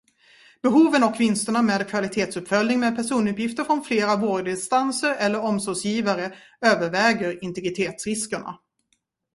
Behoven och vinsterna med kvalitetsuppföljning med personuppgifter från flera vårdinstanser eller omsorgsgivare överväger integritetsriskerna.